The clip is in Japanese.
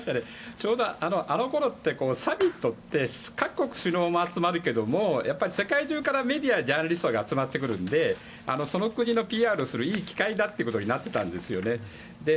ちょうど、あのころってサミットって各国首脳も集まるけども世界中からメディア、ジャーナリストが集まってくるのでその国のＰＲをするいい機会だということになっていたんですね。